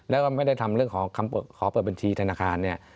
แล้วก็ไม่ได้ทำเรื่องของขอเปิดบัญชีธนาคารเนี่ย